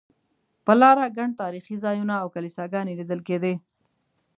پر لاره ګڼ تاریخي ځایونه او کلیساګانې لیدل کېدې.